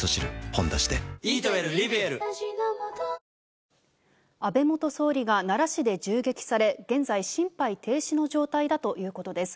「ほんだし」で安倍元総理が奈良市で銃撃され現在、心肺停止の状態だということです。